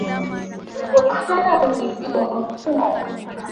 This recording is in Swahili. Wasichana wenyi bidii ni muhimu